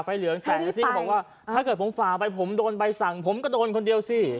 แค่งี้ก็บอกว่าถ้าเกิดผมฝ่าไปผมดนใบสั่งผมก็ดนคนเดียวสิ